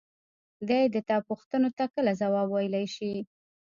دى د تا پوښتنو ته کله ځواب ويلاى شي.